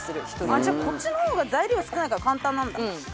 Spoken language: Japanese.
じゃあこっちの方が材料少ないから簡単なんだ。